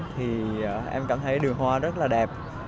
thì em cảm thấy đường hoa rất là đẹp